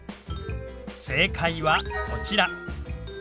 正解はこちら。